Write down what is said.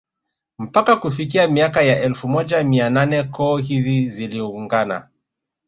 Mpaka kufikia miaka ya elfu moja mia nane koo hizo ziliungana